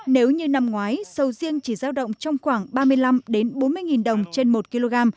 nếu như năm ngoái sầu riêng chỉ giao động trong khoảng ba mươi năm bốn mươi đồng trên một kg